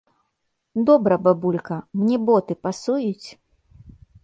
Добра, бабулька, мне боты пасуюць?